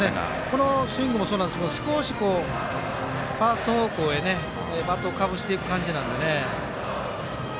このスイングもそうですがファースト方向へバットかぶせていく感じなんでね。